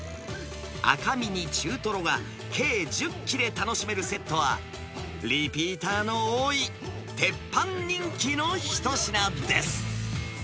赤身に中トロが計１０切れ楽しめるセットは、リピーターの多い鉄板人気の一品です。